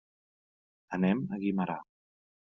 Anem a Guimerà.